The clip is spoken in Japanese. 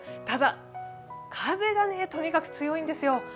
ただ、風がとにかく強いんですよ。